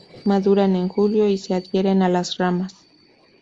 Maduran en julio, y se adhieren a las ramas.